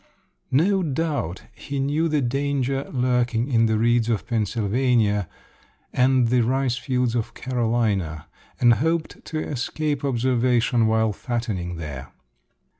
No doubt he knew the danger lurking in the reeds of Pennsylvania and the rice fields of Carolina, and hoped to escape observation while fattening there.